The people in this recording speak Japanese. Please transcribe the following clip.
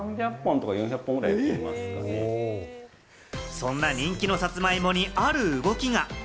そんな人気のさつまいもにある動きが。